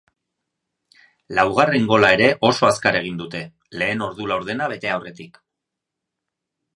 Laugarren gola ere oso azkar egin dute, lehen ordu laurdena bete aurretik.